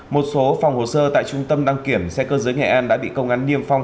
một số phòng hồ sơ tại trung tâm đăng kiểm xe cơ giới nghệ an đã bị công an niêm phong